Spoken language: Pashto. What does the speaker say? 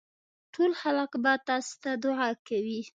ټول خلک به تاسي ته دعا کوي.